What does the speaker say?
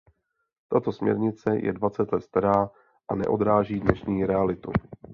Tato směrnice je dvacet let stará a neodráží dnešní realitu.